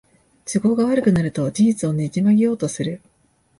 都合が悪くなると事実をねじ曲げようとする